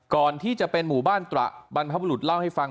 ก่อนที่จะเป็นหมู่บ้านตระบรรพบุรุษเล่าให้ฟัง